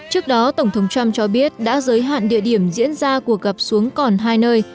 trước đó tổng thống trump cho biết đã giới hạn địa điểm diễn ra cuộc gặp xuống còn hai nơi